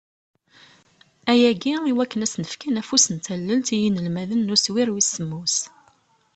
Ayagi, i wakken ad asen-fken afus n tallelt i yinelmaden n uswir wis semmus.